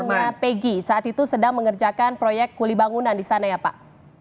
pak peggy saat itu sedang mengerjakan proyek kuli bangunan di sana ya pak